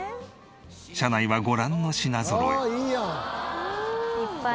車内はご覧の品ぞろえ。